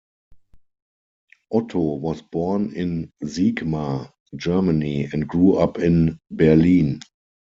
Otto was born in Siegmar, Germany, and grew up in Berlin.